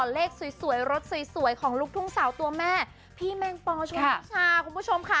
เลขสวยรถสวยของลูกทุ่งสาวตัวแม่พี่แมงปอชวนพิชาคุณผู้ชมค่ะ